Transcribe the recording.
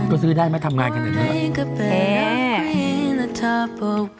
ก็ซื้อได้ไหมทำงานกันอย่างนี้